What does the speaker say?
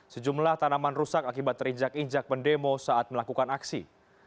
sejumlah tanaman rusak akibat terinjak injak pendemo saat melakukan aksi